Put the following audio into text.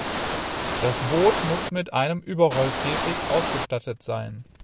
Das Boot muss mit einem Überrollkäfig ausgestattet sein.